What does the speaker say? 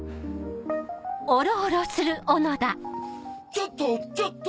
ちょっとちょっと！